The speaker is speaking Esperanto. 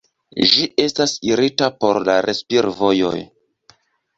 Ĝi estas irita por la respir-vojoj.